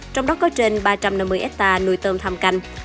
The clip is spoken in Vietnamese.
trong đó có trên ba trăm năm mươi hectare nuôi tôm thăm canh